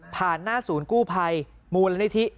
หน้าศูนย์กู้ภัยมูลนิธิ